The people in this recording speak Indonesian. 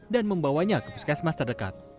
membawanya ke puskesmas terdekat